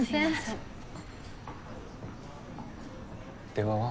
電話は？